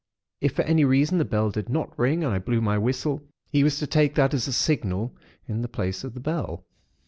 If, for any reason, the bell did not ring, and I blew my whistle, he was to take that as a signal in the place of the bell.